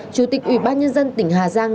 chủ tịch ủy ban nhân dân tỉnh hà giang